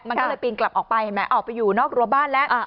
มันก็เลยปีนกลับออกไปเห็นไหมออกไปอยู่นอกรัวบ้านแล้ว